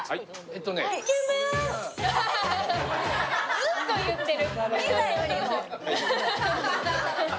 ずっと言ってる。